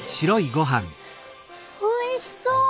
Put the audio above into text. おいしそう！